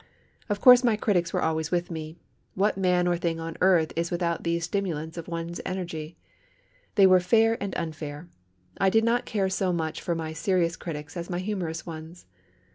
Of course my critics were always with me. What man or thing on earth is without these stimulants of one's energy. They were fair and unfair. I did not care so much for my serious critics as my humorous ones.